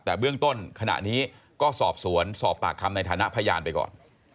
แต่เบื้องต้นขณะนี้ก็สอบสวนสอบปากคำในฐานะพยานไปก่อน